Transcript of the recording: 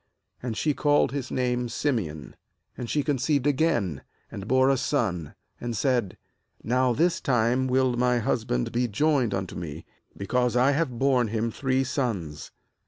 And she called his name cSimeon. MAnd she conceived again, and bore a son; and said: 'Now this time will my husband be djoined unto me, because I have borne him three sons.'